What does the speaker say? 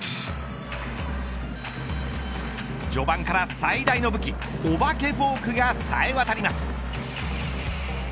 序盤から最大の武器お化けフォークがさえ渡ります。